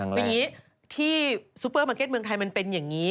คืออย่างนี้ที่ซูเปอร์มาร์เก็ตเมืองไทยมันเป็นอย่างนี้